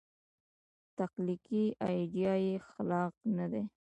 تخلیقي ایډیا یې خلاق نه دی.